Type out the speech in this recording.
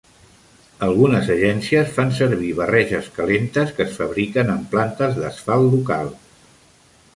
Algunes agències fan servir barreges calentes que es fabriquen en plantes d'asfalt locals.